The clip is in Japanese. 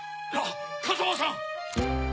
風間さん！